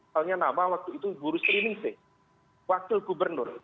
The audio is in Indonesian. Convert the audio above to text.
soalnya nama waktu itu guru sri nisi wakil gubernur